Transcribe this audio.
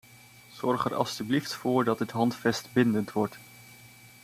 Zorg er alstublieft voor dat dit handvest bindend wordt.